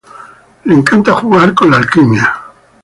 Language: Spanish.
Le encanta jugar con la alquimia.